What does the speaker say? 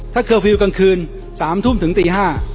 ถ้าเคอร์ฟิลล์กลางคืน๓ทุ่มถึงตี๕